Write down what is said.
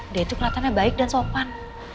dia itu kelihatannya baik dan sopan